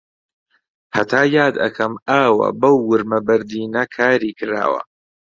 هەتا یاد ئەکەم ئاوە بەو ورمە بەردینە کاری کراوە